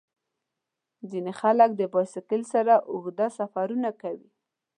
ځینې خلک د بایسکل سره اوږده سفرونه کوي.